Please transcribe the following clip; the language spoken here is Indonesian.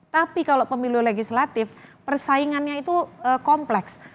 tapi kalau pemilu legislatif persaingannya itu kompleks